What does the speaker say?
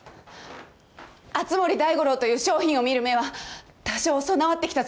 熱護大五郎という商品を見る目は多少備わってきたつもりですけど。